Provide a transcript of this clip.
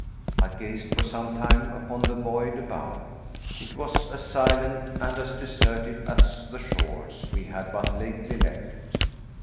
I gazed for some time upon the void above. It was as silent and as deserted as the shores we had but lately left.